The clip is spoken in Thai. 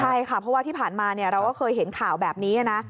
ใช่ค่ะเพราะว่าที่ผ่านมาเราก็เคยเห็นข่าวแบบนี้นะ